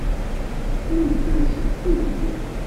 Mmuten seg tuggdi.